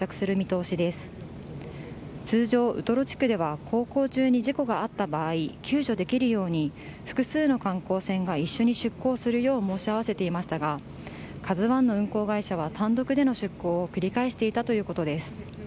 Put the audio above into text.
通常、ウトロ地区では航行中に事故があった場合救助できるように複数の観光船が一緒に出港するよう申し合わせていましたが「ＫＡＺＵ１」の運航会社は単独での出港を繰り返していたということです。